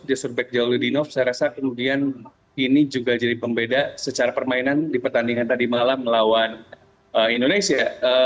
dia surbek jauludinov saya rasa kemudian ini juga jadi pembeda secara permainan di pertandingan tadi malam melawan indonesia